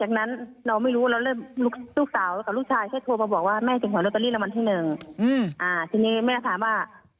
เขาโทรมาหาแม่๔โมงเย็นค่ะ